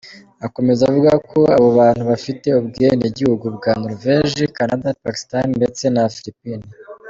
Akomeza avuga ko abo bantu bafite ubwenegihugu bwa Norvège, Canada, Pakistan ndetse na Philippines.